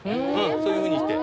そういうふうにして。